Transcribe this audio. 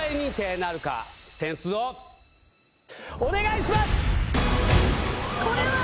点数をお願いします！